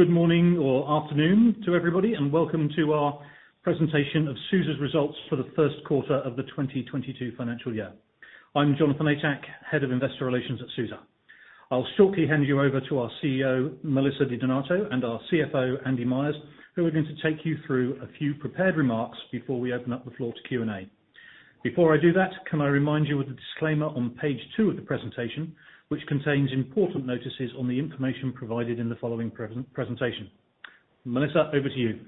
Good morning or afternoon to everybody, and welcome to our presentation of SUSE's results for the first quarter of the 2022 financial year. I'm Jonathan Atack, Head of Investor Relations at SUSE. I'll shortly hand you over to our CEO, Melissa DiDonato, and our CFO, Andy Myers, who are going to take you through a few prepared remarks before we open up the floor to Q&A. Before I do that, can I remind you of the disclaimer on page two of the presentation, which contains important notices on the information provided in the following presentation. Melissa, over to you.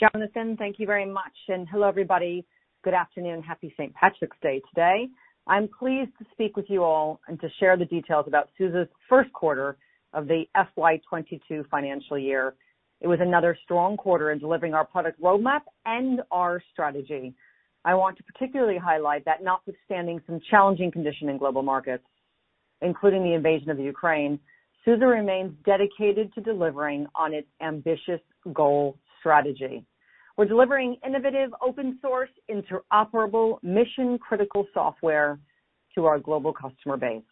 Jonathan, thank you very much, and hello, everybody. Good afternoon. Happy St. Patrick's Day today. I'm pleased to speak with you all and to share the details about SUSE's first quarter of the FY 2022 financial year. It was another strong quarter in delivering our product roadmap and our strategy. I want to particularly highlight that notwithstanding some challenging conditions in global markets, including the invasion of the Ukraine, SUSE remains dedicated to delivering on its ambitious goal strategy. We're delivering innovative open source, interoperable mission-critical software to our global customer base.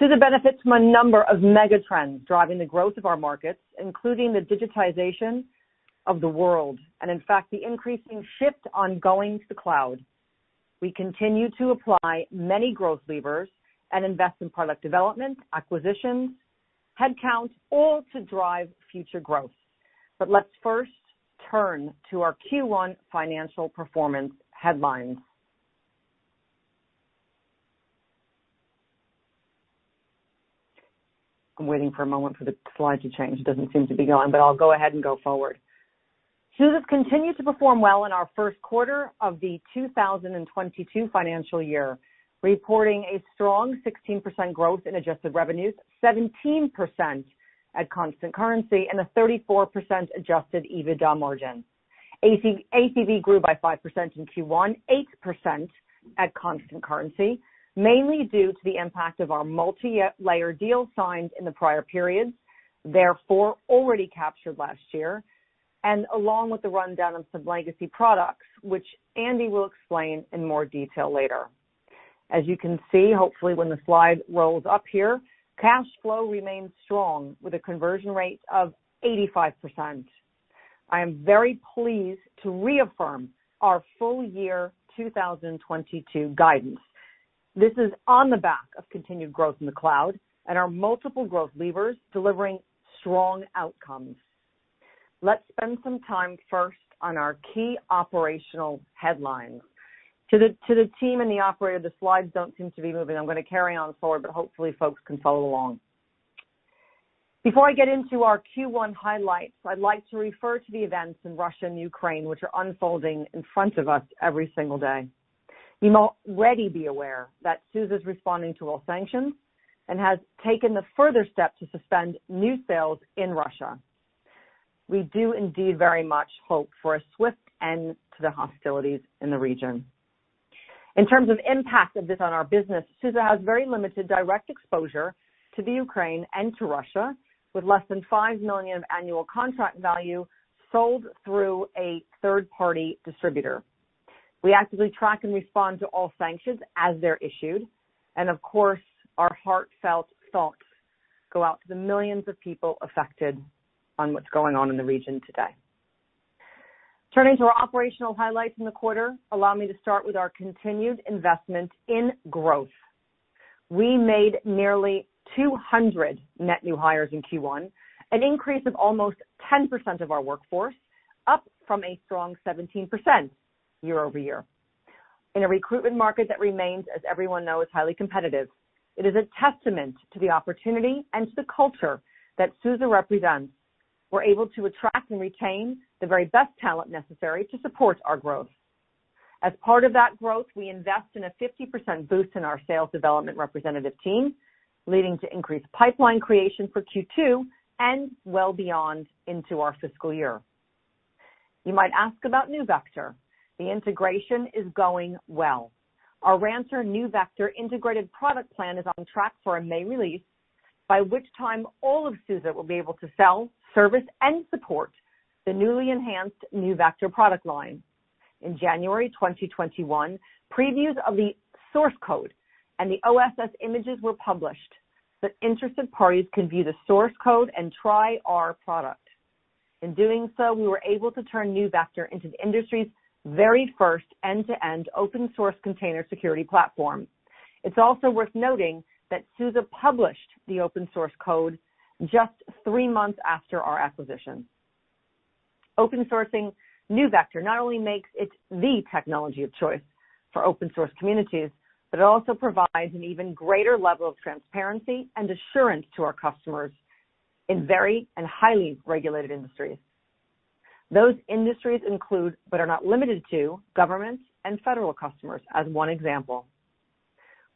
SUSE benefits from a number of mega trends driving the growth of our markets, including the digitization of the world and in fact, the increasing shift ongoing to the cloud. We continue to apply many growth levers and invest in product development, acquisitions, headcounts, all to drive future growth. Let's first turn to our Q1 financial performance headlines. I'm waiting for a moment for the slide to change. It doesn't seem to be going, but I'll go ahead and go forward. SUSE has continued to perform well in our first quarter of the 2022 financial year, reporting a strong 16% growth in adjusted revenues, 17% at constant currency, and a 34% adjusted EBITDA margin. ACV grew by 5% in Q1, 8% at constant currency, mainly due to the impact of our multilayer deals signed in the prior periods, therefore already captured last year, and along with the rundown of some legacy products, which Andy will explain in more detail later. As you can see, hopefully when the slide rolls up here, cash flow remains strong with a conversion rate of 85%. I am very pleased to reaffirm our full year 2022 guidance. This is on the back of continued growth in the cloud and our multiple growth levers delivering strong outcomes. Let's spend some time first on our key operational headlines. To the team and the operator, the slides don't seem to be moving. I'm gonna carry on forward, but hopefully folks can follow along. Before I get into our Q1 highlights, I'd like to refer to the events in Russia and Ukraine, which are unfolding in front of us every single day. You may already be aware that SUSE is responding to all sanctions and has taken the further step to suspend new sales in Russia. We do indeed very much hope for a swift end to the hostilities in the region. In terms of impact of this on our business, SUSE has very limited direct exposure to the Ukraine and to Russia, with less than 5 million of annual contract value sold through a third-party distributor. We actively track and respond to all sanctions as they're issued, and of course, our heartfelt thoughts go out to the millions of people affected on what's going on in the region today. Turning to our operational highlights in the quarter, allow me to start with our continued investment in growth. We made nearly 200 net new hires in Q1, an increase of almost 10% of our workforce, up from a strong 17% year-over-year. In a recruitment market that remains, as everyone knows, highly competitive, it is a testament to the opportunity and to the culture that SUSE represents. We're able to attract and retain the very best talent necessary to support our growth. As part of that growth, we invest in a 50% boost in our sales development representative team, leading to increased pipeline creation for Q2 and well beyond into our fiscal year. You might ask about NeuVector. The integration is going well. Our Rancher NeuVector integrated product plan is on track for a May release, by which time all of SUSE will be able to sell, service, and support the newly enhanced NeuVector product line. In January 2021, previews of the source code and the OSS images were published so that interested parties can view the source code and try our product. In doing so, we were able to turn NeuVector into the industry's very first end-to-end open source container security platform. It's also worth noting that SUSE published the open source code just three months after our acquisition. Open sourcing NeuVector not only makes it the technology of choice for open source communities, but it also provides an even greater level of transparency and assurance to our customers in very and highly regulated industries. Those industries include, but are not limited to governments and federal customers, as one example.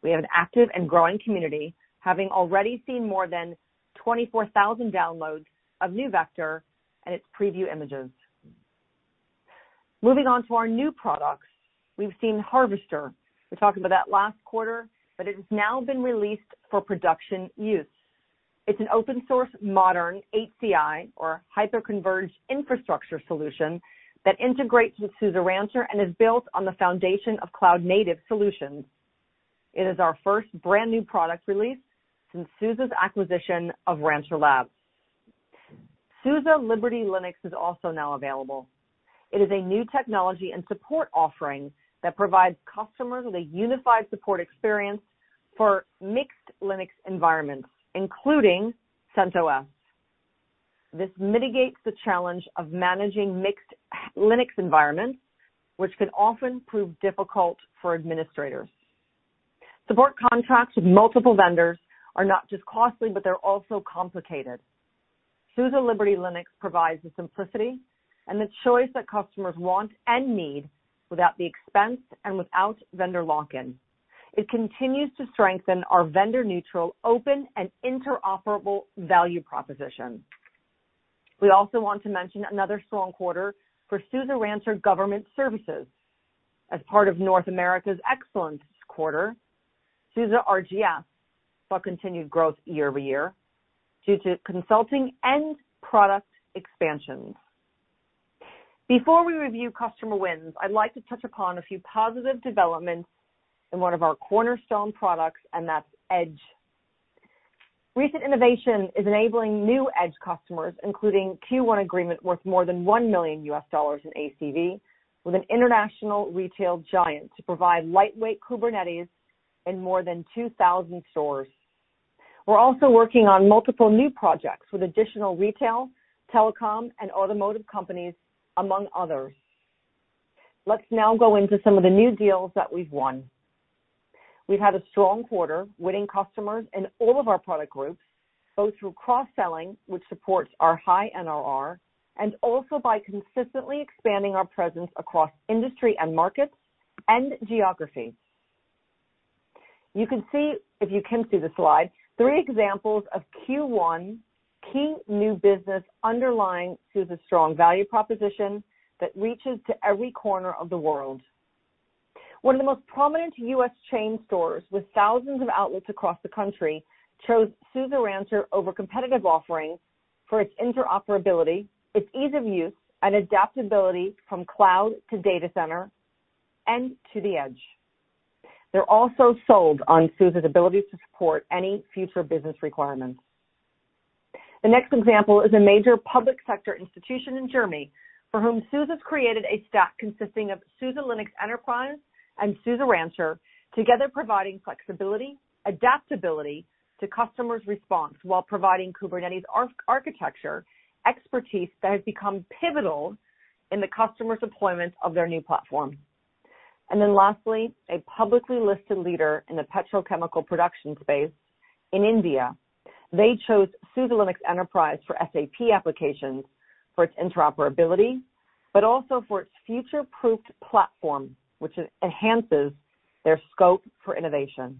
We have an active and growing community, having already seen more than 24,000 downloads of NeuVector and its preview images. Moving on to our new products, we've seen Harvester. We talked about that last quarter, but it has now been released for production use. It's an open source modern HCI or hyperconverged infrastructure solution that integrates with SUSE Rancher and is built on the foundation of cloud-native solutions. It is our first brand new product release since SUSE's acquisition of Rancher Labs. SUSE Liberty Linux is also now available. It is a new technology and support offering that provides customers with a unified support experience for mixed Linux environments, including CentOS. This mitigates the challenge of managing mixed Linux environments, which can often prove difficult for administrators. Support contracts with multiple vendors are not just costly, but they're also complicated. SUSE Liberty Linux provides the simplicity and the choice that customers want and need without the expense and without vendor lock-in. It continues to strengthen our vendor-neutral, open, and interoperable value proposition. We also want to mention another strong quarter for SUSE Rancher Government Solutions. As part of North America's excellent quarter, SUSE RGS saw continued growth year-over-year due to consulting and product expansions. Before we review customer wins, I'd like to touch upon a few positive developments in one of our cornerstone products, and that's Edge. Recent innovation is enabling new Edge customers, including Q1 agreement worth more than $1 million in ACV, with an international retail giant to provide lightweight Kubernetes in more than 2,000 stores. We're also working on multiple new projects with additional retail, telecom, and automotive companies, among others. Let's now go into some of the new deals that we've won. We've had a strong quarter winning customers in all of our product groups, both through cross-selling, which supports our high NRR, and also by consistently expanding our presence across industry and markets and geography. You can see, if you can see the slide, three examples of Q1 key new business underlying SUSE's strong value proposition that reaches to every corner of the world. One of the most prominent U.S. chain stores with thousands of outlets across the country chose SUSE Rancher over competitive offerings for its interoperability, its ease of use, and adaptability from cloud to data center and to the edge. They're also sold on SUSE's ability to support any future business requirements. The next example is a major public sector institution in Germany for whom SUSE has created a stack consisting of SUSE Linux Enterprise and SUSE Rancher, together providing flexibility, adaptability to customers' response while providing Kubernetes orchestration architecture expertise that has become pivotal in the customer's deployment of their new platform. Lastly, a publicly listed leader in the petrochemical production space in India. They chose SUSE Linux Enterprise for SAP Applications for its interoperability, but also for its future-proofed platform, which enhances their scope for innovation.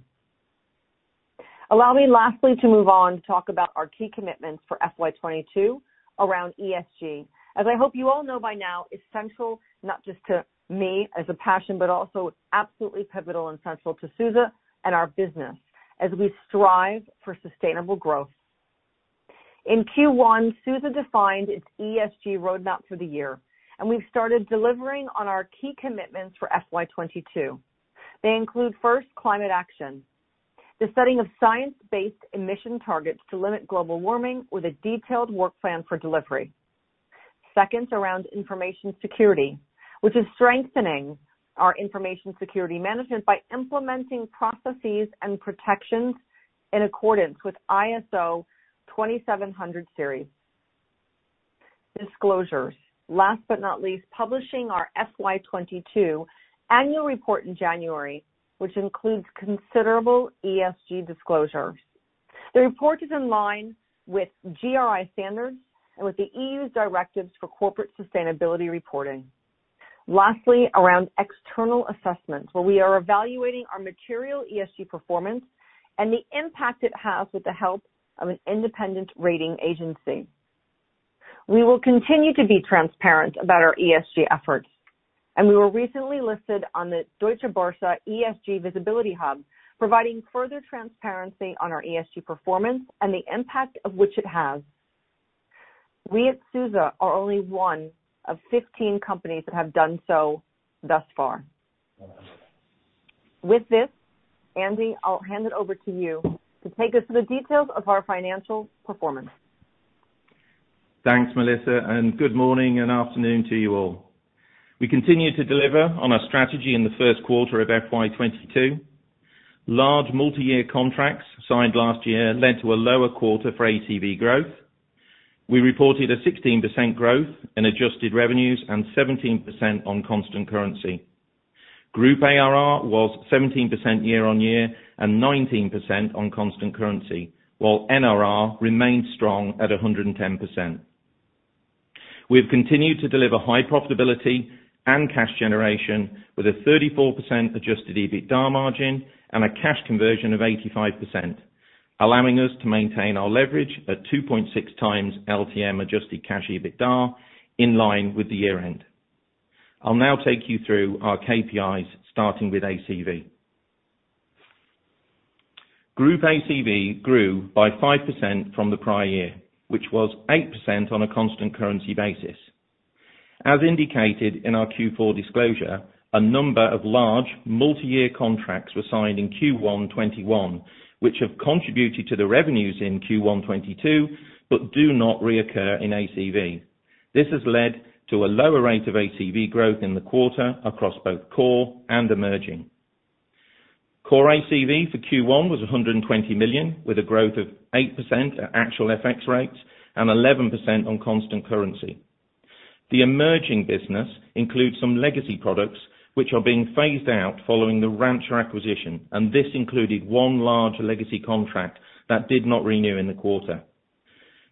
Allow me lastly to move on to talk about our key commitments for FY 2022 around ESG. As I hope you all know by now, it's central not just to me as a passion, but also absolutely pivotal and central to SUSE and our business as we strive for sustainable growth. In Q1, SUSE defined its ESG roadmap for the year, and we've started delivering on our key commitments for FY 2022. They include, first, climate action. The setting of science-based emission targets to limit global warming with a detailed work plan for delivery. Second, around information security, which is strengthening our information security management by implementing processes and protections in accordance with ISO 27000 series. Disclosures. Last but not least, publishing our FY 2022 annual report in January, which includes considerable ESG disclosures. The report is in line with GRI standards and with the EU's directives for corporate sustainability reporting. Lastly, around external assessments, where we are evaluating our material ESG performance and the impact it has with the help of an independent rating agency, we will continue to be transparent about our ESG efforts, and we were recently listed on the Deutsche Börse ESG Visibility Hub, providing further transparency on our ESG performance and the impact of which it has. We at SUSE are only one of 15 companies that have done so thus far. With this, Andy, I'll hand it over to you to take us through the details of our financial performance. Thanks, Melissa, and good morning and afternoon to you all. We continue to deliver on our strategy in the first quarter of FY 2022. Large multi-year contracts signed last year led to a lower quarter for ACV growth. We reported a 16% growth in adjusted revenues and 17% on constant currency. Group ARR was 17% year-on-year and 19% on constant currency, while NRR remained strong at 110%. We have continued to deliver high profitability and cash generation with a 34% adjusted EBITDA margin and a cash conversion of 85%, allowing us to maintain our leverage at 2.6x LTM adjusted cash EBITDA in line with the year-end. I'll now take you through our KPIs, starting with ACV. Group ACV grew by 5% from the prior year, which was 8% on a constant currency basis. As indicated in our Q4 disclosure, a number of large multi-year contracts were signed in Q1 2021, which have contributed to the revenues in Q1 2022, but do not reoccur in ACV. This has led to a lower rate of ACV growth in the quarter across both core and emerging. Core ACV for Q1 was 120 million, with a growth of 8% at actual FX rates and 11% on constant currency. The emerging business includes some legacy products which are being phased out following the Rancher acquisition, and this included one large legacy contract that did not renew in the quarter.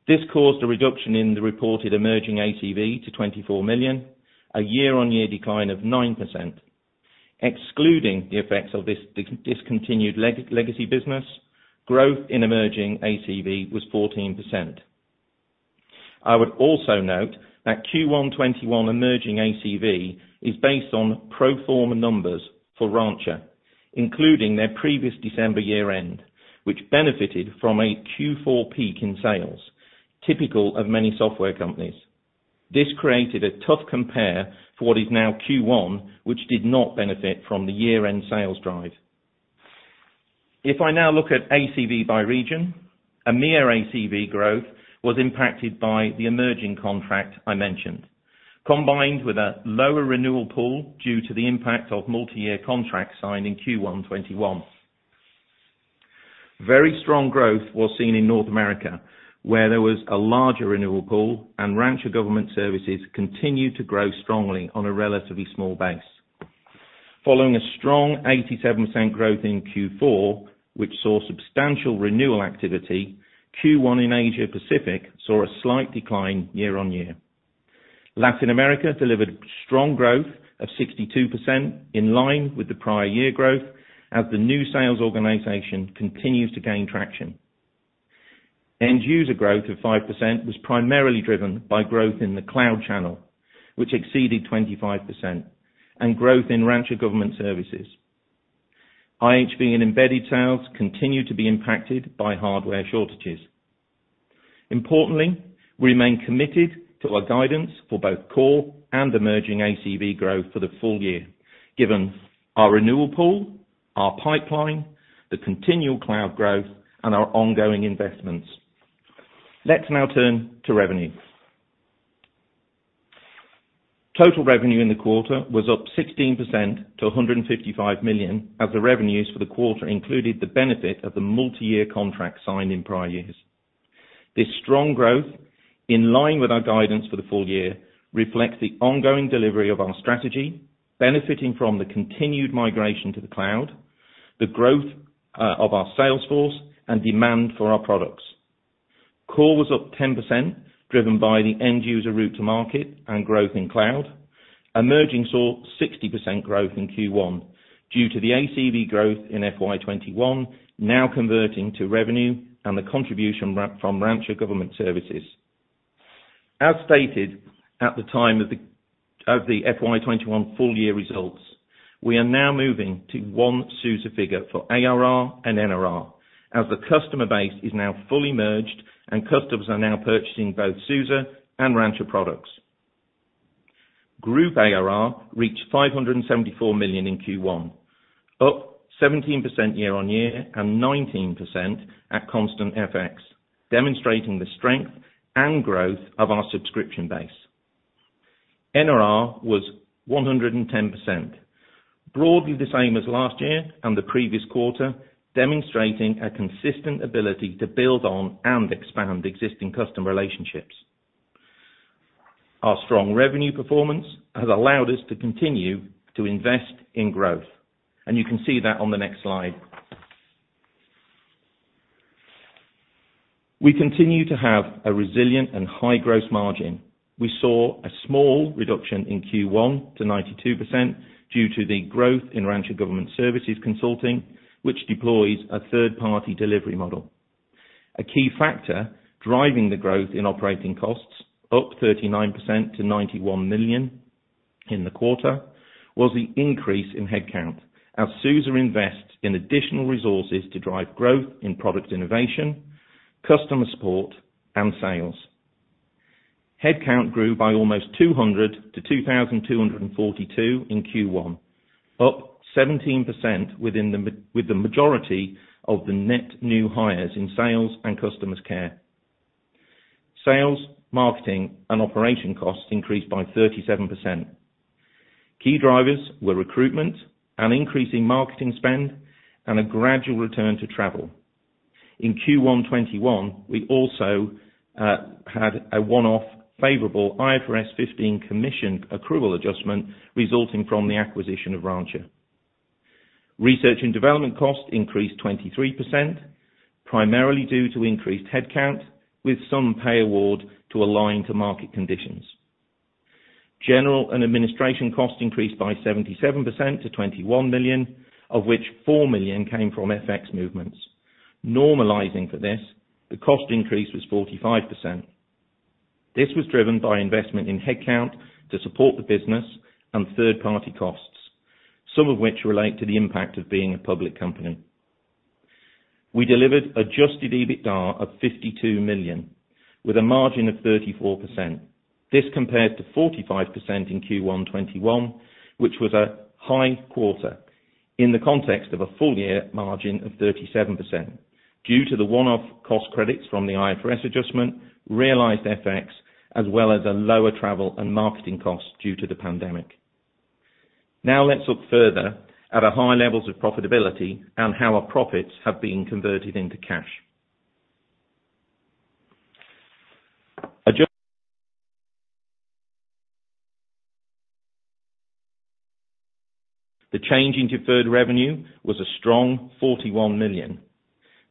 This caused a reduction in the reported emerging ACV to 24 million, a year-on-year decline of 9%. Excluding the effects of this discontinued legacy business, growth in emerging ACV was 14%. I would also note that Q1 2021 emerging ACV is based on pro forma numbers for Rancher, including their previous December year-end, which benefited from a Q4 peak in sales, typical of many software companies. This created a tough compare for what is now Q1, which did not benefit from the year-end sales drive. If I now look at ACV by region, EMEA ACV growth was impacted by the emerging contract I mentioned, combined with a lower renewal pool due to the impact of multi-year contracts signed in Q1 2021. Very strong growth was seen in North America, where there was a larger renewal pool and Rancher Government Solutions continued to grow strongly on a relatively small base. Following a strong 87% growth in Q4, which saw substantial renewal activity, Q1 in Asia-Pacific saw a slight decline year-on-year. Latin America delivered strong growth of 62% in line with the prior year growth as the new sales organization continues to gain traction. End user growth of 5% was primarily driven by growth in the cloud channel, which exceeded 25%, and growth in Rancher Government Solutions. IHV and embedded sales continue to be impacted by hardware shortages. Importantly, we remain committed to our guidance for both core and emerging ACV growth for the full year, given our renewal pool, our pipeline, the continual cloud growth, and our ongoing investments. Let's now turn to revenue. Total revenue in the quarter was up 16% to 155 million, as the revenues for the quarter included the benefit of the multi-year contract signed in prior years. This strong growth, in line with our guidance for the full year, reflects the ongoing delivery of our strategy, benefiting from the continued migration to the cloud, the growth of our sales force, and demand for our products. Core was up 10%, driven by the end user route to market and growth in cloud. Emerging saw 60% growth in Q1 due to the ACV growth in FY 2021 now converting to revenue and the contribution from Rancher Government Solutions. As stated at the time of the FY 2021 full year results, we are now moving to one SUSE figure for ARR and NRR, as the customer base is now fully merged and customers are now purchasing both SUSE and Rancher products. Group ARR reached 574 million in Q1, up 17% year-on-year and 19% at constant FX, demonstrating the strength and growth of our subscription base. NRR was 110%, broadly the same as last year and the previous quarter, demonstrating a consistent ability to build on and expand existing customer relationships. Our strong revenue performance has allowed us to continue to invest in growth, and you can see that on the next slide. We continue to have a resilient and high gross margin. We saw a small reduction in Q1 to 92% due to the growth in Rancher Government Solutions consulting, which deploys a third-party delivery model. A key factor driving the growth in operating costs up 39% to 91 million in the quarter was the increase in headcount, as SUSE invests in additional resources to drive growth in product innovation, customer support, and sales. Headcount grew by almost 200 to 2,242 in Q1, up 17% with the majority of the net new hires in sales and customer care. Sales, marketing, and operations costs increased by 37%. Key drivers were recruitment, an increase in marketing spend, and a gradual return to travel. In Q1 2021, we also had a one-off favorable IFRS 15 commission accrual adjustment resulting from the acquisition of Rancher. Research and development costs increased 23%, primarily due to increased headcount, with some pay award to align to market conditions. General and administration costs increased by 77% to 21 million, of which 4 million came from FX movements. Normalizing for this, the cost increase was 45%. This was driven by investment in headcount to support the business and third-party costs, some of which relate to the impact of being a public company. We delivered adjusted EBITDA of 52 million with a margin of 34%. This compared to 45% in Q1 2021, which was a high quarter in the context of a full year margin of 37% due to the one-off cost credits from the IFRS adjustment, realized FX, as well as a lower travel and marketing cost due to the pandemic. Now let's look further at our high levels of profitability and how our profits have been converted into cash. The change in deferred revenue was a strong 41 million.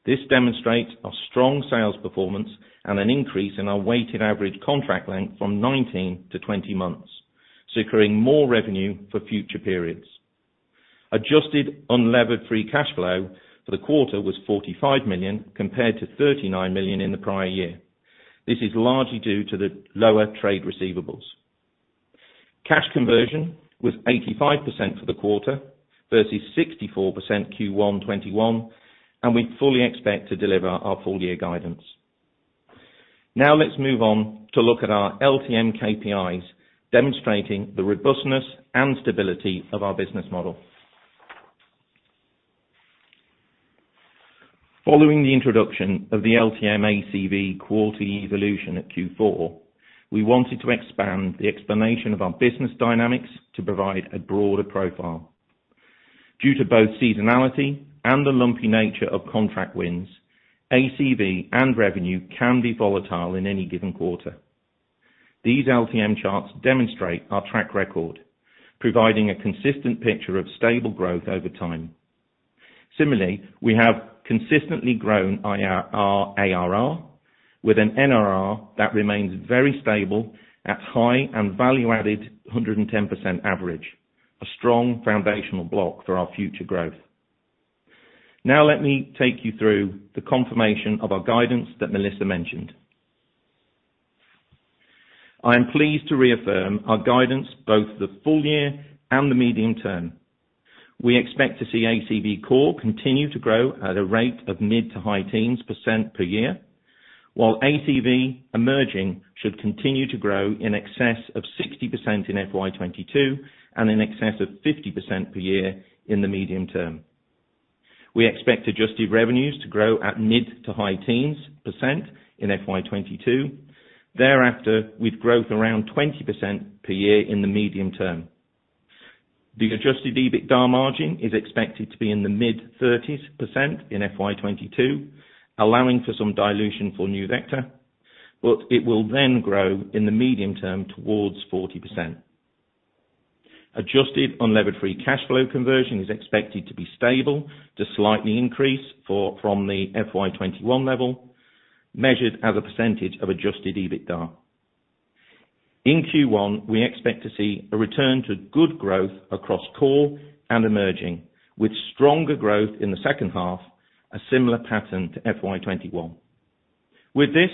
This demonstrates our strong sales performance and an increase in our weighted average contract length from 19-20 months, securing more revenue for future periods. Adjusted unlevered free cash flow for the quarter was 45 million compared to 39 million in the prior year. This is largely due to the lower trade receivables. Cash conversion was 85% for the quarter versus 64% Q1 2021, and we fully expect to deliver our full year guidance. Now let's move on to look at our LTM KPIs demonstrating the robustness and stability of our business model. Following the introduction of the LTM ACV quarter evolution at Q4, we wanted to expand the explanation of our business dynamics to provide a broader profile. Due to both seasonality and the lumpy nature of contract wins, ACV and revenue can be volatile in any given quarter. These LTM charts demonstrate our track record, providing a consistent picture of stable growth over time. Similarly, we have consistently grown our ARR with an NRR that remains very stable at a high and valuable 110% average, a strong foundational block for our future growth. Now let me take you through the confirmation of our guidance that Melissa mentioned. I am pleased to reaffirm our guidance both the full year and the medium term. We expect to see ACV core continue to grow at a rate of mid- to high-teens % per year, while ACV emerging should continue to grow in excess of 60% in FY 2022 and in excess of 50% per year in the medium term. We expect adjusted revenues to grow at mid- to high-teens % in FY 2022. Thereafter, with growth around 20% per year in the medium term. The adjusted EBITDA margin is expected to be in the mid-30s% in FY 2022, allowing for some dilution for NeuVector, but it will then grow in the medium term towards 40%. Adjusted unlevered free cash flow conversion is expected to be stable to slightly increase from the FY 2021 level, measured as a percentage of adjusted EBITDA. In Q1, we expect to see a return to good growth across core and emerging, with stronger growth in the second half, a similar pattern to FY 2021. With this,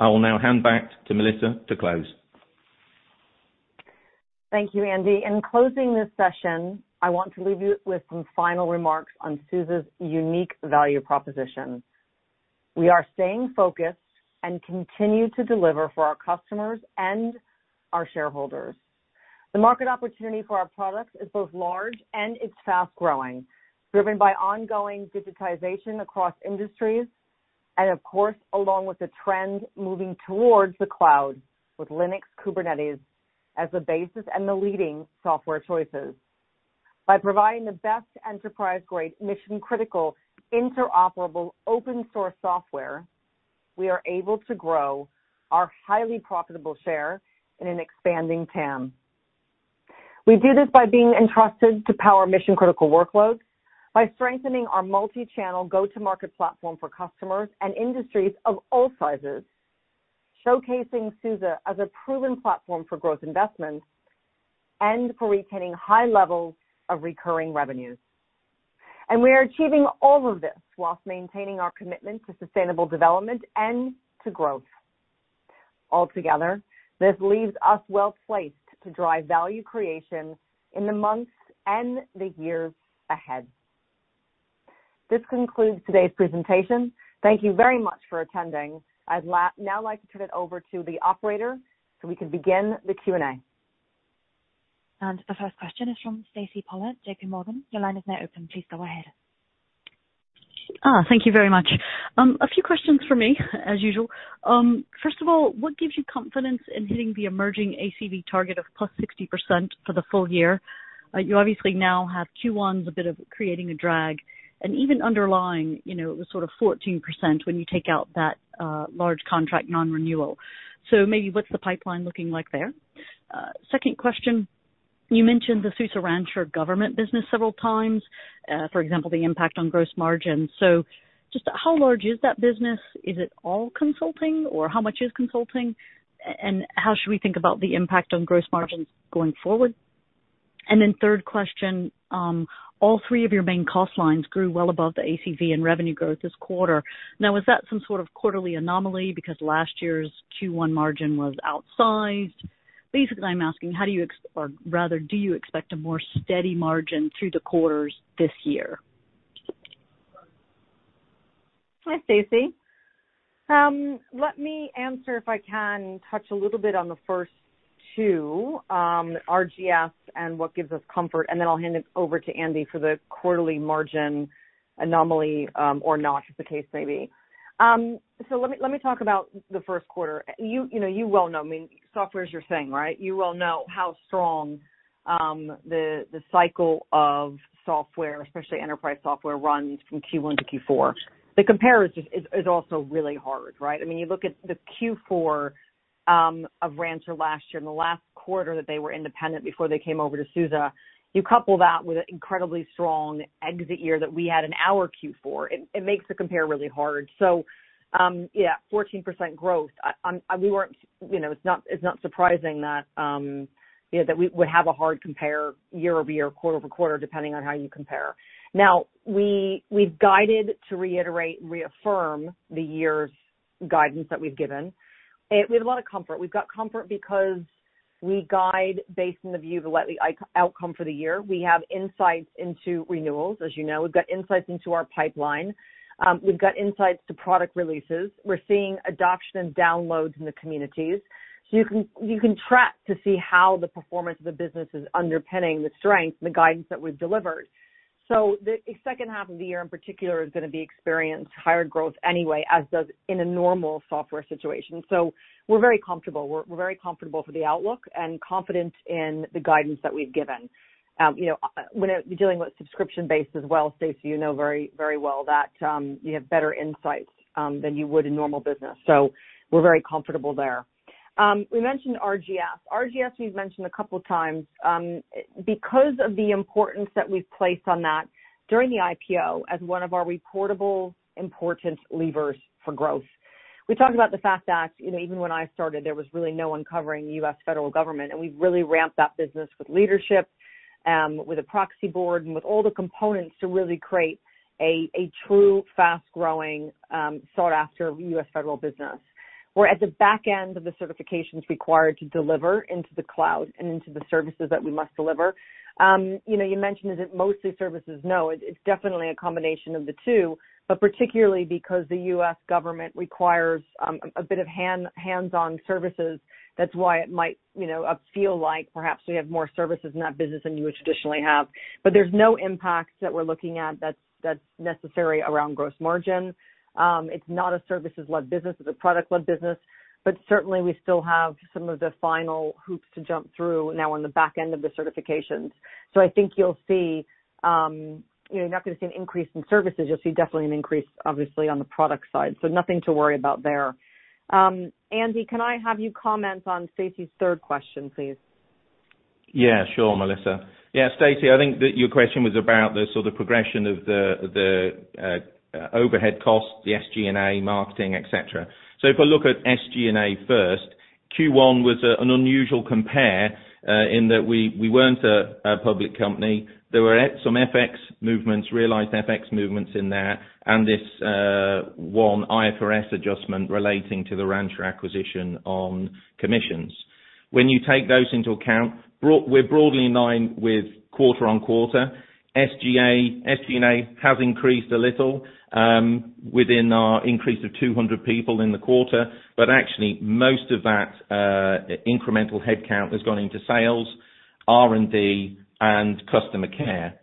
I will now hand back to Melissa to close. Thank you, Andy. In closing this session, I want to leave you with some final remarks on SUSE's unique value proposition. We are staying focused and continue to deliver for our customers and our shareholders. The market opportunity for our products is both large and it's fast-growing, driven by ongoing digitization across industries and of course, along with the trend moving towards the cloud with Linux Kubernetes as the basis and the leading software choices. By providing the best enterprise-grade mission-critical interoperable open source software, we are able to grow our highly profitable share in an expanding TAM. We do this by being entrusted to power mission-critical workloads, by strengthening our multi-channel go-to-market platform for customers and industries of all sizes, showcasing SUSE as a proven platform for growth investments and for retaining high levels of recurring revenues. We are achieving all of this while maintaining our commitment to sustainable development and to growth. Altogether, this leaves us well-placed to drive value creation in the months and the years ahead. This concludes today's presentation. Thank you very much for attending. I'd like to turn it over to the operator, so we can begin the Q&A. The first question is from Stacy Pollard, J.P. Morgan. Your line is now open. Please go ahead. Thank you very much. A few questions from me as usual. First of all, what gives you confidence in hitting the emerging ACV target of +60% for the full year? You obviously now have Q1 is a bit of a drag. And even underlying, you know, it was sort of 14% when you take out that large contract non-renewal. So maybe what's the pipeline looking like there? Second question, you mentioned the SUSE Rancher government business several times, for example, the impact on gross margin. So just how large is that business? Is it all consulting, or how much is consulting? And how should we think about the impact on gross margins going forward? Third question, all three of your main cost lines grew well above the ACV and revenue growth this quarter. Now was that some sort of quarterly anomaly because last year's Q1 margin was outsized? Basically, I'm asking how do you or rather do you expect a more steady margin through the quarters this year? Hi, Stacy. Let me answer if I can touch a little bit on the first two, RGS and what gives us comfort, and then I'll hand it over to Andy for the quarterly margin anomaly, or not, as the case may be. Let me talk about the first quarter. You know, I mean, software is your thing, right? You well know how strong the cycle of software, especially enterprise software, runs from Q1 to Q4. The comparison is also really hard, right? I mean, you look at the Q4 of Rancher last year and the last quarter that they were independent before they came over to SUSE. You couple that with an incredibly strong exit year that we had in our Q4, it makes the comparison really hard. Yeah, 14% growth. You know, it's not surprising that, you know, that we would have a hard compare year-over-year, quarter-over-quarter, depending on how you compare. Now, we've guided to reiterate and reaffirm the year's guidance that we've given. We have a lot of comfort. We've got comfort because we guide based on the view of what the end outcome for the year. We have insights into renewals. As you know, we've got insights into our pipeline. We've got insights into product releases. We're seeing adoption and downloads in the communities. You can track to see how the performance of the business is underpinning the strength and the guidance that we've delivered. The second half of the year in particular is gonna be experienced higher growth anyway, as does in a normal software situation. We're very comfortable. We're very comfortable for the outlook and confident in the guidance that we've given. You know, when you're dealing with subscription-based as well, Stacy, you know very, very well that you have better insights than you would in normal business. We're very comfortable there. We mentioned RGS. RGS we've mentioned a couple of times because of the importance that we've placed on that during the IPO as one of our reportable important levers for growth. We talked about the fact that, you know, even when I started, there was really no one covering U.S. federal government, and we've really ramped that business with leadership, with a proxy board and with all the components to really create a true fast-growing, sought-after U.S. federal business. We're at the back end of the certifications required to deliver into the cloud and into the services that we must deliver. You know, you mentioned is it mostly services? No, it's definitely a combination of the two, but particularly because the U.S. government requires a bit of hand, hands-on services, that's why it might, you know, feel like perhaps we have more services in that business than you would traditionally have. There's no impacts that we're looking at that's necessary around gross margin. It's not a services-led business, it's a product-led business. Certainly we still have some of the final hoops to jump through now on the back end of the certifications. I think you'll see, you're not gonna see an increase in services. You'll see definitely an increase, obviously, on the product side. Nothing to worry about there. Andy, can I have you comment on Stacy's third question, please? Yeah, sure, Melissa. Yeah, Stacy, I think that your question was about the sort of progression of the overhead costs, the SG&A marketing, et cetera. If I look at SG&A first, Q1 was an unusual compare in that we weren't a public company. There were some FX movements, realized FX movements in there and this one IFRS adjustment relating to the Rancher acquisition on commissions. When you take those into account, we're broadly in line with quarter on quarter. SG&A has increased a little within our increase of 200 people in the quarter, but actually most of that incremental headcount has gone into sales, R&D, and customer care.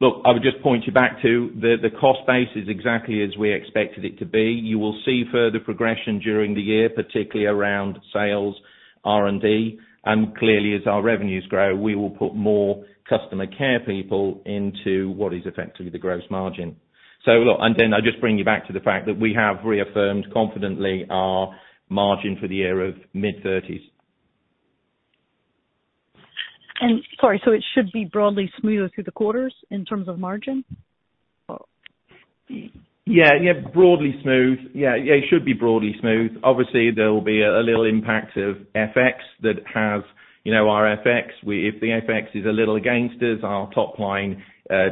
Look, I would just point you back to the cost base is exactly as we expected it to be. You will see further progression during the year, particularly around sales, R&D, and clearly as our revenues grow, we will put more customer care people into what is effectively the gross margin. Look, and then I'll just bring you back to the fact that we have reaffirmed confidently our margin for the year of mid-thirties. Sorry, it should be broadly smoother through the quarters in terms of margin? Yeah, broadly smooth. Yeah, it should be broadly smooth. Obviously, there will be a little impact of FX that has, you know, our FX. If the FX is a little against us, our top line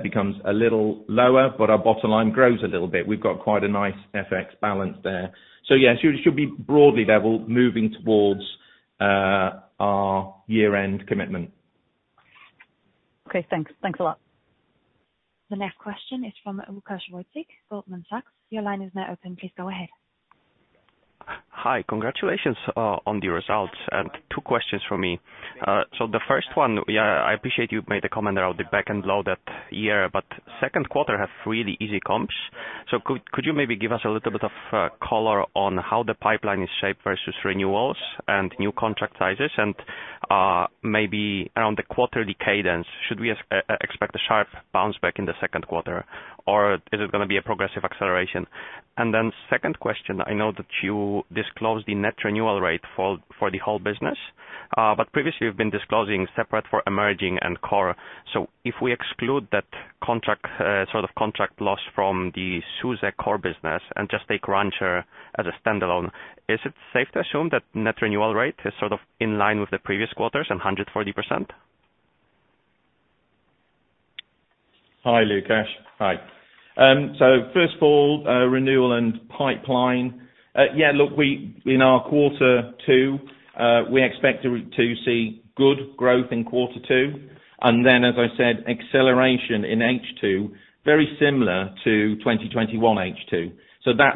becomes a little lower, but our bottom line grows a little bit. We've got quite a nice FX balance there. So yeah, it should be broadly level moving towards our year-end commitment. Okay, thanks. Thanks a lot. The next question is from Lukasz Wojcik, Goldman Sachs. Your line is now open. Please go ahead. Hi. Congratulations on the results, and two questions from me. So the first one, yeah, I appreciate you made a comment about the back-end loaded year, but second quarter have really easy comps. Could you maybe give us a little bit of color on how the pipeline is shaped versus renewals and new contract sizes? And maybe around the quarterly cadence, should we expect a sharp bounce back in the second quarter, or is it gonna be a progressive acceleration? And then second question, I know that you disclosed the net renewal rate for the whole business, but previously you've been disclosing separate for emerging and core. If we exclude that contract, sort of contract loss from the SUSE core business and just take Rancher as a standalone, is it safe to assume that net renewal rate is sort of in line with the previous quarters and 140%? Hi, Lukasz. Hi. First of all, renewal and pipeline. Yeah, look, in our quarter two, we expect to see good growth in quarter two, and then, as I said, acceleration in H2, very similar to 2021 H2.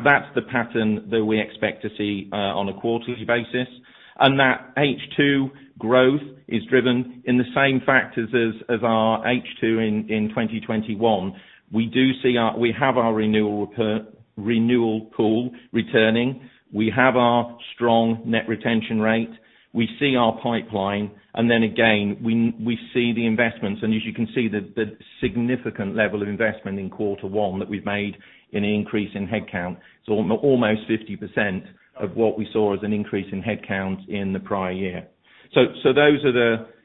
That's the pattern that we expect to see on a quarterly basis. That H2 growth is driven in the same factors as our H2 in 2021. We have our renewal pool returning. We have our strong net retention rate. We see our pipeline. Then again, we see the investments. As you can see, the significant level of investment in quarter one that we've made in an increase in headcount is almost 50% of what we saw as an increase in headcounts in the prior year.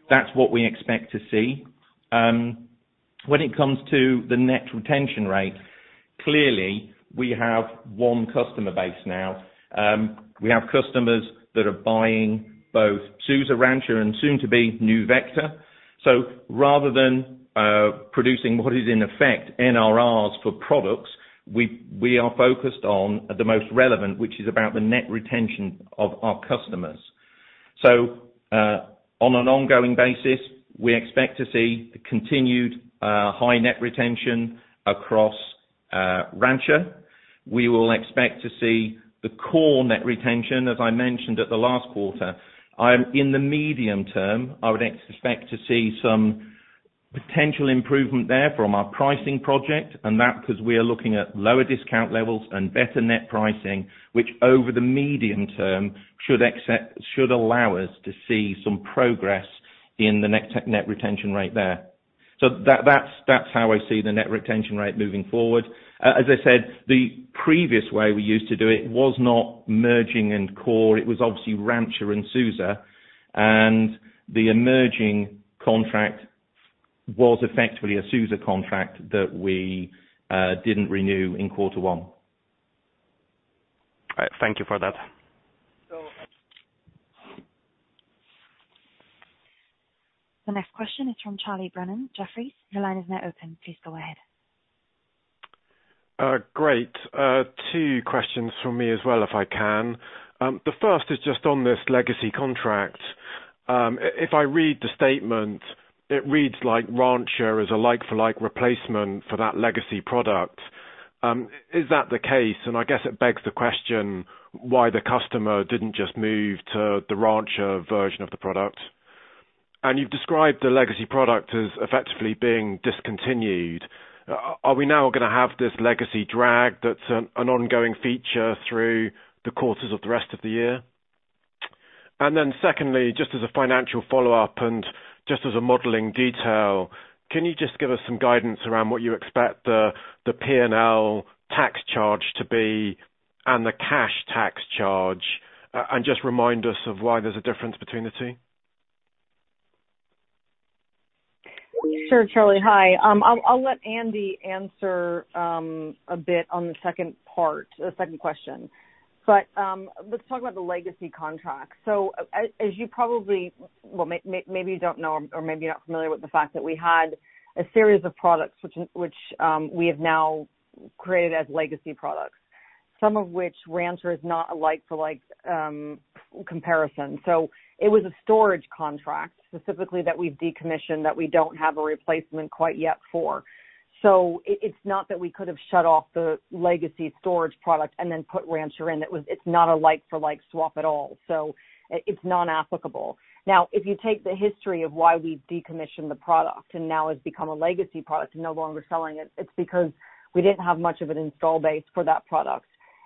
That's what we expect to see. When it comes to the net retention rate, clearly we have one customer base now. We have customers that are buying both SUSE, Rancher and soon to be NeuVector. Rather than producing what is in effect NRR for products, we are focused on the most relevant, which is about the net retention of our customers. On an ongoing basis, we expect to see continued high net retention across Rancher. We will expect to see the core net retention, as I mentioned at the last quarter. In the medium term, I would expect to see some potential improvement there from our pricing project, and that because we are looking at lower discount levels and better net pricing, which over the medium term should allow us to see some progress in the net retention rate there. That's how I see the net retention rate moving forward. As I said, the previous way we used to do it was not merging in core. It was obviously Rancher and SUSE, and the emerging contract was effectively a SUSE contract that we didn't renew in quarter one. All right. Thank you for that. The next question is from Charles Brennan, Jefferies. Your line is now open. Please go ahead. Great. Two questions from me as well, if I can. The first is just on this legacy contract. If I read the statement, it reads like Rancher is a like for like replacement for that legacy product. Is that the case? I guess it begs the question why the customer didn't just move to the Rancher version of the product. You've described the legacy product as effectively being discontinued. Are we now gonna have this legacy drag that's an ongoing feature through the course of the rest of the year? Secondly, just as a financial follow-up and just as a modeling detail, can you just give us some guidance around what you expect the P&L tax charge to be and the cash tax charge, and just remind us of why there's a difference between the two. Sure, Charlie. Hi. I'll let Andy answer a bit on the second part, the second question. Let's talk about the legacy contract. As you probably well, maybe you don't know or maybe you're not familiar with the fact that we had a series of products which we have now created as legacy products, some of which Rancher is not a like for like comparison. It was a storage contract specifically that we've decommissioned, that we don't have a replacement quite yet for. It's not that we could have shut off the legacy storage product and then put Rancher in. It's not a like for like swap at all, so it's non-applicable. Now, if you take the history of why we've decommissioned the product and now it's become a legacy product and no longer selling it's because we didn't have much of an install base for that product.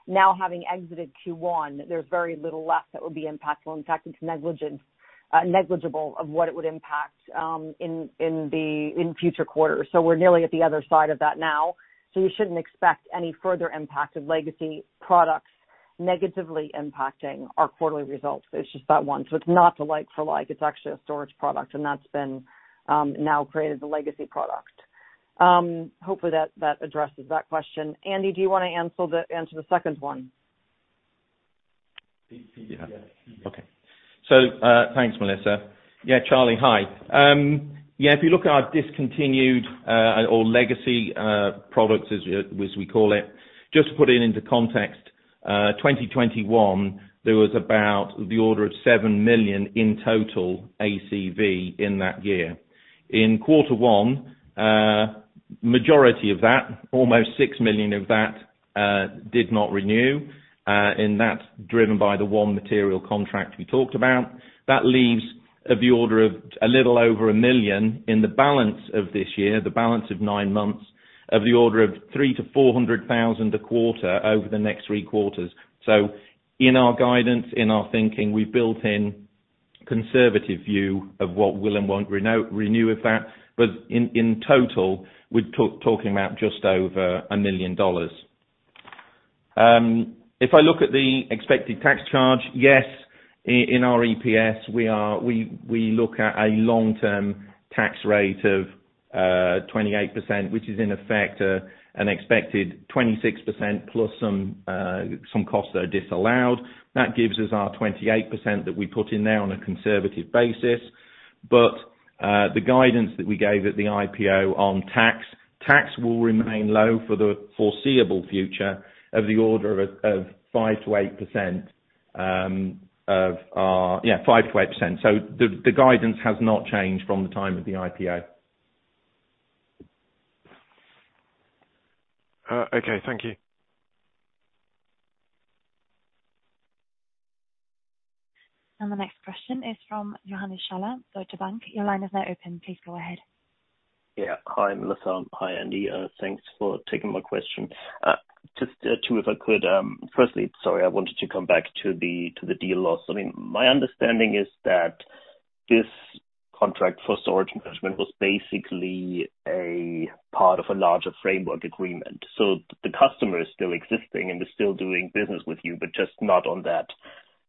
Now, having exited Q1, there's very little left that would be impactful. In fact, it's negligible of what it would impact in future quarters. We're nearly at the other side of that now. You shouldn't expect any further impact of legacy products negatively impacting our quarterly results. It's just that one. It's not a like for like, it's actually a storage product. That's been now created the legacy product. Hopefully that addresses that question. Andy, do you wanna answer the second one? Thanks, Melissa. Charlie, hi. If you look at our discontinued or legacy products as we call it, just to put it into context, 2021, there was about the order of 7 million in total ACV in that year. In quarter one, majority of that, almost $6 million of that, did not renew. That's driven by the one material contract we talked about. That leaves of the order of a little over 1 million in the balance of this year, the balance of nine months of the order of 300,000-400,000 a quarter over the next three quarters. In our guidance, in our thinking, we built in conservative view of what will and won't renew of that. In total, we're talking about just over 1 million. If I look at the expected tax charge, yes, in our EPS, we look at a long-term tax rate of 28%, which is in effect an expected 26% plus some costs that are disallowed. That gives us our 28% that we put in there on a conservative basis. The guidance that we gave at the IPO on tax will remain low for the foreseeable future of the order of 5%-8% of our 5%-8%. The guidance has not changed from the time of the IPO. Okay. Thank you. The next question is from Johannes Schaller, Deutsche Bank. Your line is now open. Please go ahead. Hi, Melissa. Hi, Andy. Thanks for taking my question. Just two, if I could. Firstly, sorry, I wanted to come back to the deal loss. I mean, my understanding is that this contract for storage management was basically a part of a larger framework agreement. The customer is still existing and is still doing business with you, but just not on that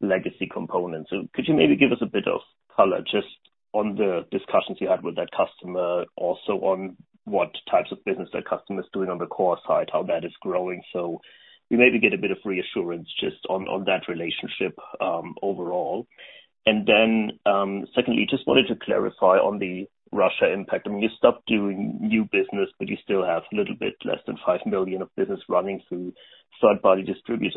legacy component. Could you maybe give us a bit of color just on the discussions you had with that customer? Also on what types of business that customer is doing on the core side, how that is growing? We maybe get a bit of reassurance just on that relationship overall. Secondly, just wanted to clarify on the Russia impact. I mean, you stopped doing new business, but you still have a little bit less than 5 million of business running through third-party distributors.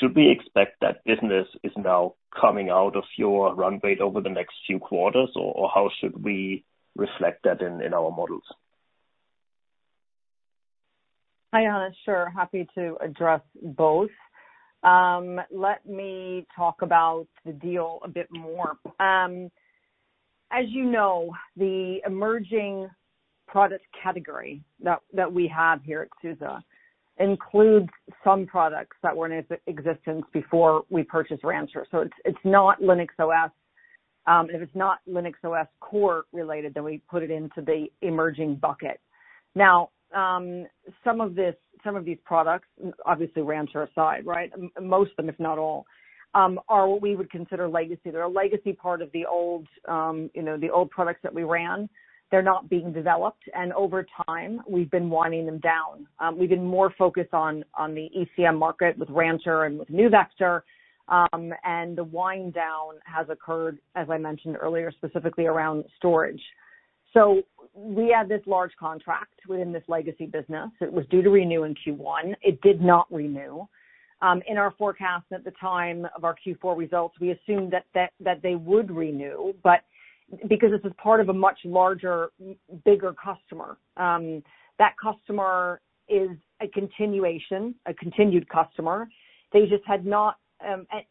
Should we expect that business is now coming out of your run rate over the next few quarters? Or how should we reflect that in our models? Hi, Johannes. Sure. Happy to address both. Let me talk about the deal a bit more. As you know, the emerging product category that we have here at SUSE includes some products that were in existence before we purchased Rancher. It's not Linux OS, and if it's not Linux OS core related, then we put it into the emerging bucket. Now, some of these products, obviously Rancher aside, right? Most of them, if not all, are what we would consider legacy. They're a legacy part of the old, you know, the old products that we ran. They're not being developed, and over time, we've been winding them down. We've been more focused on the ECM market with Rancher and with NeuVector, and the wind down has occurred, as I mentioned earlier, specifically around storage. We had this large contract within this legacy business. It was due to renew in Q1. It did not renew. In our forecast at the time of our Q4 results, we assumed that they would renew, but because this is part of a much larger, bigger customer, that customer is a continuation, a continued customer. They just had not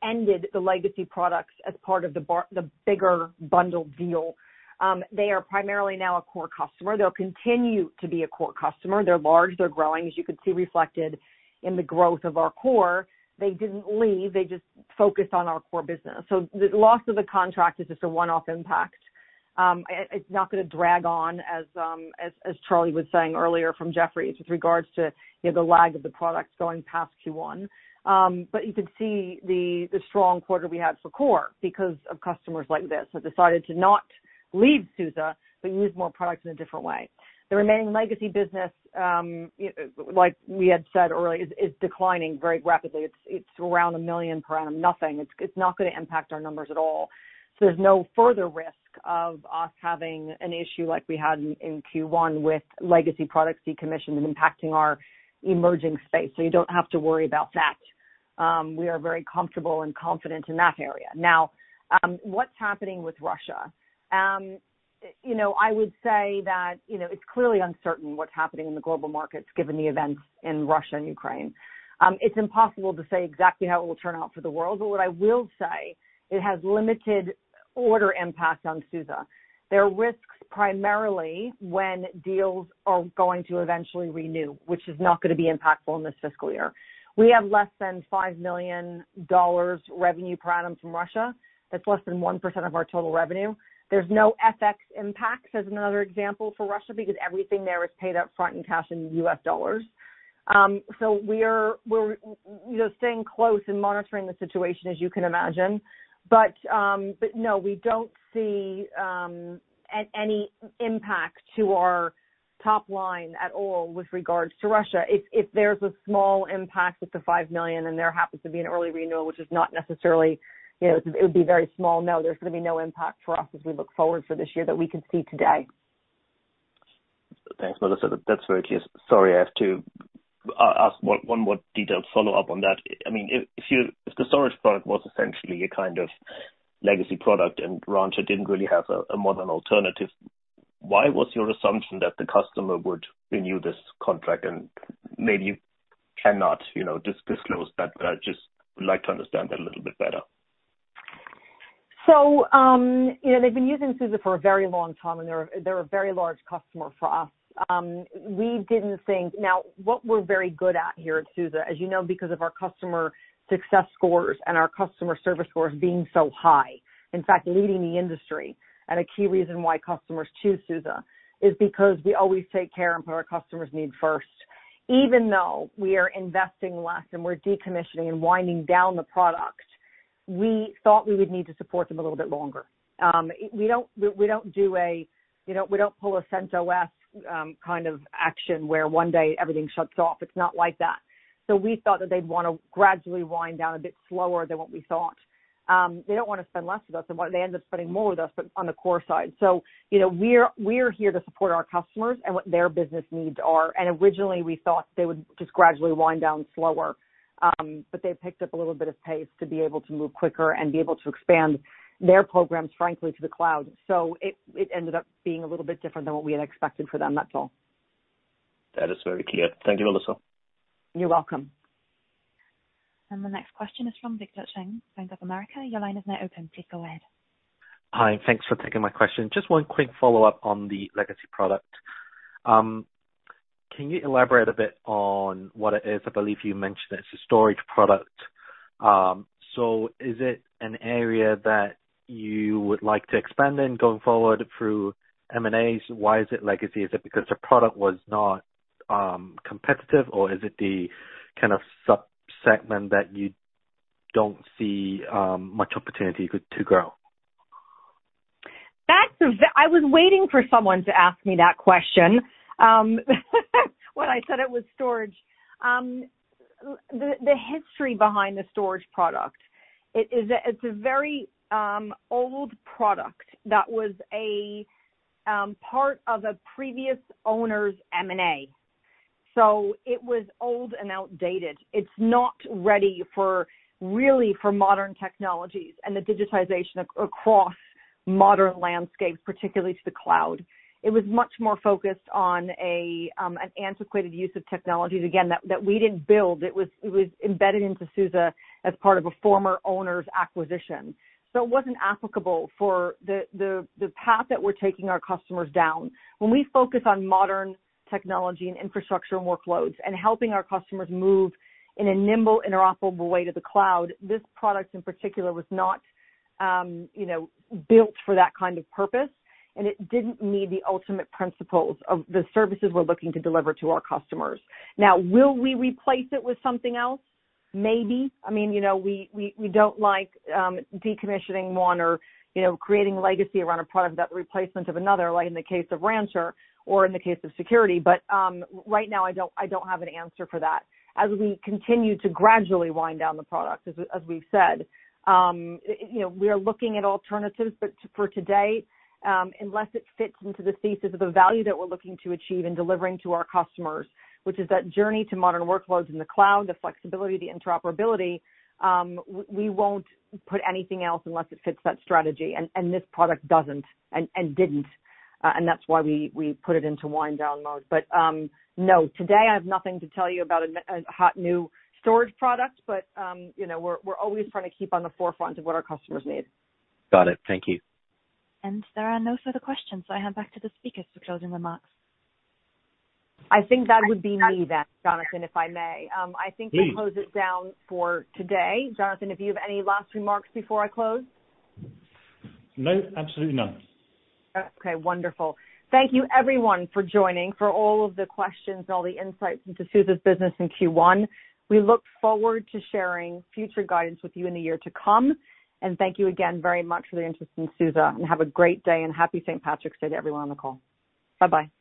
ended the legacy products as part of the bigger bundled deal. They are primarily now a core customer. They'll continue to be a core customer. They're large. They're growing, as you can see reflected in the growth of our core. They didn't leave. They just focused on our core business. The loss of the contract is just a one-off impact. It's not gonna drag on as Charlie was saying earlier from Jefferies with regards to, you know, the lag of the products going past Q1. You can see the strong quarter we had for core because of customers like this have decided to not leave SUSE, but use more products in a different way. The remaining legacy business, like we had said earlier, is declining very rapidly. It's around 1 million per annum, nothing. It's not gonna impact our numbers at all. There's no further risk of us having an issue like we had in Q1 with legacy products decommissioned and impacting our emerging space. You don't have to worry about that. We are very comfortable and confident in that area. Now, what's happening with Russia? You know, I would say that, you know, it's clearly uncertain what's happening in the global markets, given the events in Russia and Ukraine. It's impossible to say exactly how it will turn out for the world, but what I will say, it has limited order impact on SUSE. There are risks primarily when deals are going to eventually renew, which is not gonna be impactful in this fiscal year. We have less than $5 million revenue per annum from Russia. That's less than 1% of our total revenue. There's no FX impact as another example for Russia, because everything there is paid up front in cash in US dollars. So we're you know staying close and monitoring the situation, as you can imagine. No, we don't see any impact to our top line at all with regards to Russia. If there's a small impact with the 5 million and there happens to be an early renewal, which is not necessarily, you know, it would be very small. No, there's gonna be no impact for us as we look forward for this year that we can see today. Thanks, Melissa. That's very clear. Sorry, I have to ask one more detailed follow-up on that. I mean, if the storage product was essentially a kind of legacy product and Rancher didn't really have a modern alternative, why was your assumption that the customer would renew this contract and maybe you cannot, you know, disclose that? I just would like to understand that a little bit better. You know, they've been using SUSE for a very long time, and they're a very large customer for us. Now, what we're very good at here at SUSE, as you know, because of our customer success scores and our customer service scores being so high, in fact, leading the industry, and a key reason why customers choose SUSE is because we always take care and put our customers' needs first. Even though we are investing less and we're decommissioning and winding down the product, we thought we would need to support them a little bit longer. We don't, you know, pull a CentOS kind of action where one day everything shuts off. It's not like that. We thought that they'd wanna gradually wind down a bit slower than what we thought. They don't wanna spend less with us and what they end up spending more with us, but on the core side. You know, we're here to support our customers and what their business needs are. Originally, we thought they would just gradually wind down slower. They've picked up a little bit of pace to be able to move quicker and be able to expand their programs, frankly, to the cloud. It ended up being a little bit different than what we had expected for them, that's all. That is very clear. Thank you, Melissa. You're welcome. The next question is from Victor Cheng, Bank of America. Your line is now open. Please go ahead. Hi, thanks for taking my question. Just one quick follow-up on the legacy product. Can you elaborate a bit on what it is? I believe you mentioned it's a storage product. Is it an area that you would like to expand in going forward through M and As? Why is it legacy? Is it because the product was not competitive, or is it the kind of subsegment that you don't see much opportunity to grow? I was waiting for someone to ask me that question. When I said it was storage. The history behind the storage product, it's a very old product that was a part of a previous owner's M and A. It was old and outdated. It's not really ready for modern technologies and the digitization across modern landscapes, particularly to the cloud. It was much more focused on an antiquated use of technologies, again, that we didn't build. It was embedded into SUSE as part of a former owner's acquisition. It wasn't applicable for the path that we're taking our customers down. When we focus on modern technology and infrastructure workloads and helping our customers move in a nimble, interoperable way to the cloud, this product, in particular, was not, you know, built for that kind of purpose, and it didn't meet the ultimate principles of the services we're looking to deliver to our customers. Now, will we replace it with something else? Maybe. I mean, you know, we don't like decommissioning one or, you know, creating a legacy around a product that replacement of another, like in the case of Rancher or in the case of security. Right now, I don't have an answer for that. As we continue to gradually wind down the product, as we've said, you know, we are looking at alternatives, but for today, unless it fits into the thesis of the value that we're looking to achieve in delivering to our customers, which is that journey to modern workloads in the cloud, the flexibility, the interoperability, we won't put anything else unless it fits that strategy. This product doesn't and didn't, and that's why we put it into wind-down mode. No, today I have nothing to tell you about a hot new storage product, but you know, we're always trying to keep on the forefront of what our customers need. Got it. Thank you. There are no further questions. I hand back to the speakers for closing remarks. I think that would be me then, Jonathan, if I may. Please. We'll close it down for today. Jonathan, if you have any last remarks before I close? No, absolutely none. Okay, wonderful. Thank you everyone for joining, for all of the questions, all the insights into SUSE's business in Q1. We look forward to sharing future guidance with you in the year to come. Thank you again very much for your interest in SUSE. Have a great day and happy St. Patrick's Day to everyone on the call. Bye-bye.